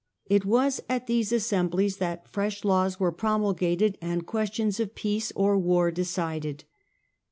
It was at these assemblies that fresh laws were promulgated and questions of peace or war de cided.